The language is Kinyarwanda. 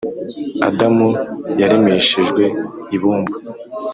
Adamu yaremeshejwe ibumba.